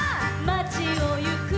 「まちをゆく」